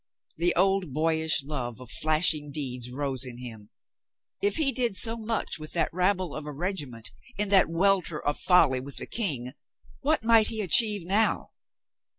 The old boyish love of flashing deeds rose in him. If he did so much with that rabble of a regiment, in that welter of folly with tlae King, what might he achieve now?